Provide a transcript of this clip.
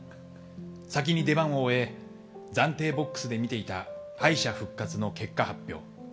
先に出番を終え暫定ボックスで見ていた敗者復活の結果発表。